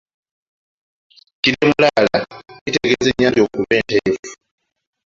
Kiri mulaala kitegeeza ennyanja okuba enteefu.